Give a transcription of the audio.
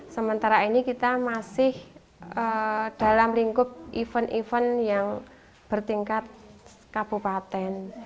sementara ini kita masih dalam lingkup event event yang bertingkat kabupaten